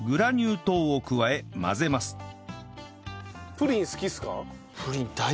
プリン好きっすか？